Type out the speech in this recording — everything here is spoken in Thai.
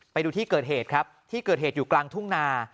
ไปดูที่เกิดเหตุครับที่เกิดเหตุอยู่กลางทุ่งนา